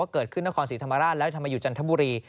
นครศรีธรรมราชแล้วทำไมอยู่จันทบุรี